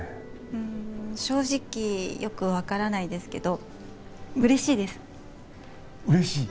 うん正直よく分からないですけど嬉しいです嬉しい？